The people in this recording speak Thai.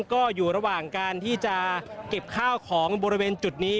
ก็อยู่ระหว่างการที่จะเก็บข้าวของบริเวณจุดนี้